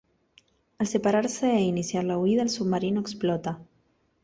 Al separarse e iniciar la huida el submarino explota.